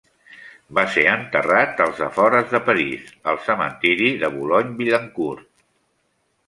Va ser enterrat als afores de París, al cementiri de Boulogne-Billancourt.